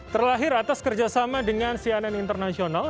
terlahir atas kerjasama dengan cnn internasional